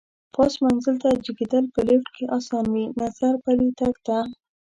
پاس منزل ته جګېدل په لېفټ کې اسان وي، نظر پلي تګ ته.